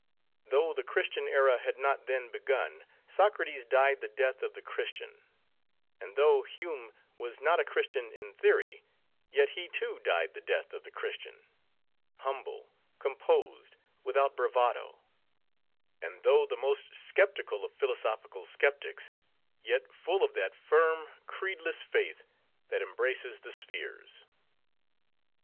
Though the Christian era had not then begun, Socrates died the death of the Christian; and though Hume was not a Christian in theory, yet he, too, died the death of the Christian,—humble, composed, without bravado; and though the most skeptical of philosophical skeptics, yet full of that firm, creedless faith, that embraces the spheres.